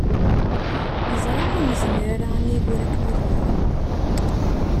Neẓra ur nezmir ara ad nidir akken i lebda.